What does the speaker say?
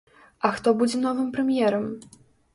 А хто будзе новым прэм'ерам?